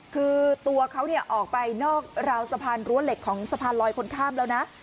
คือตัวเขาออกไปนอกราวสะพานรั้วเหล็กของสะพานลอยคนข้ามแล้วนะ